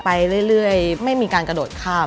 ไปเรื่อยไม่มีการกระโดดข้าม